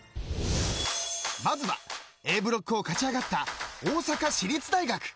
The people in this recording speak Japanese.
［まずはＡブロックを勝ち上がった大阪市立大学］